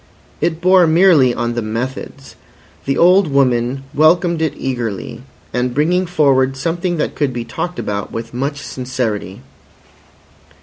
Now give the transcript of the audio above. It bore merely on the methods. The old woman welcomed it eagerly as bringing forward something that could be talked about with much sincerity.